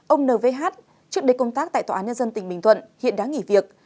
ông nvh trước đây công tác tại tòa án nhân dân tỉnh bình thuận hiện đã nghỉ việc